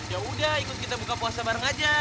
ya udah ikut kita buka puasa bareng aja